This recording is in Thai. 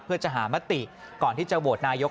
เพื่อจะหามติก่อนที่จะโหวตนายก